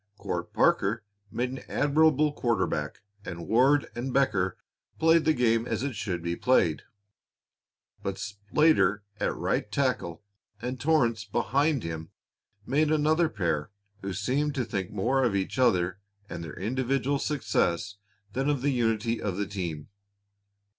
Court Parker made an admirable quarter back, and Ward and Becker played the game as it should be played. But Slater at right tackle and Torrance behind him made another pair who seemed to think more of each other and of their individual success than of the unity of the team.